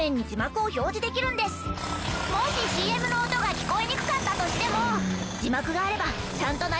もしＣＭの音が聞こえにくかったとしても。